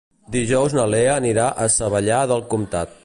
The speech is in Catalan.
Dijous na Lea anirà a Savallà del Comtat.